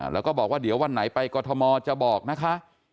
แล้วก็บอกว่าเดี๋ยววันไหนไปกรทมจะบอกนะคะ